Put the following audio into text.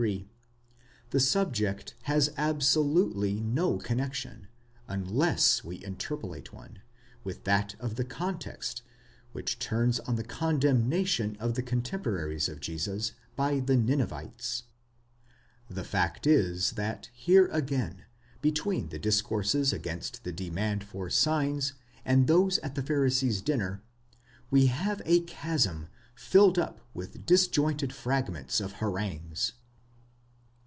33), the subject has absolutely no connexion, unless we interpolate one,' with that of the context, which turns on the condemnation of the cotemporaries of Jesus by the Ninevites. The fact is, that here again, between the discourses against the demand for signs and those at the Pharisee's dinner, we have a chasm filled up with disjointed fragments of harangues.